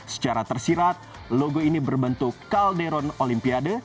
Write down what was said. secara tersirat logo ini berbentuk kalderon olimpiade